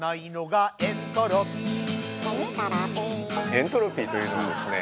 エントロピーというのはですね